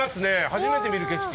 初めて見る景色。